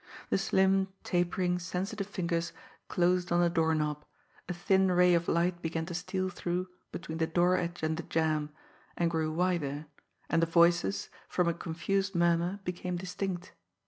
The slim, tapering, sensitive fingers closed on the doorknob a thin ray of light began to steal through between the door edge and the jamb and grew wider and the voices, from a confused murmur, became distinct.